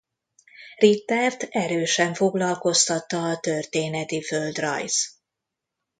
Rittert erősen foglalkoztatta a történeti földrajz.